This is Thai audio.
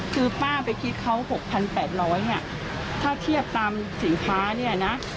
คือป้าไปคิดเขาหกพันแปดร้อยเนี้ยถ้าเทียบตามสินค้าเนี้ยนะ